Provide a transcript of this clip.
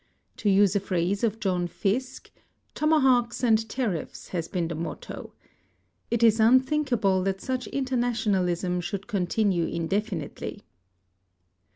To use a phrase of John Fiske, "tomahawks and tariffs" has been the motto. It is unthinkable that such internationalism should continue indefinitely.